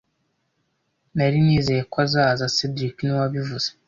Nari nizeye ko azaza cedric niwe wabivuze